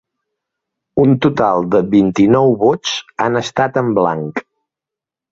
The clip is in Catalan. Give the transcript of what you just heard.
Un total de vint-i-nou vots han estat en blanc.